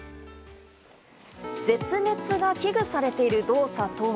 絶滅が危惧されている動作とは。